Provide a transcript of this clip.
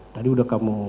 tadi udah kamu